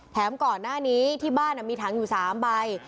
ก่อนหน้านี้ที่บ้านมีถังอยู่๓ใบ